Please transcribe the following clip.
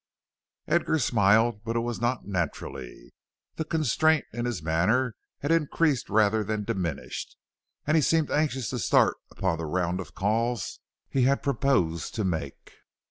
Edgar smiled, but it was not naturally. The constraint in his manner had increased rather than diminished, and he seemed anxious to start upon the round of calls he had purposed to make.